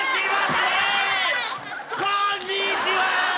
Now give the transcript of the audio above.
こんにちは！